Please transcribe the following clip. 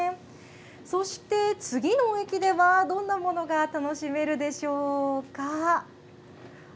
そして、次の駅ではどんなものが楽しめるでしょうか。